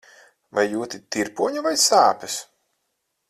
Vai jūti tirpoņu vai sāpes?